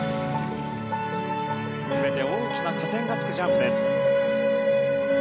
全て大きな加点がつくジャンプです。